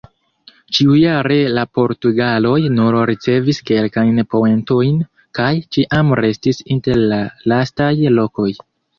Ĉiujare la portugaloj nur ricevis kelkajn poentojn kaj ĉiam restis inter la lastaj lokoj.